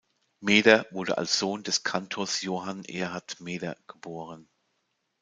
Meder wurde als Sohn des Kantors Johann Erhard Meder geboren.